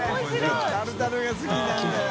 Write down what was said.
タルタルが好きなんだよ。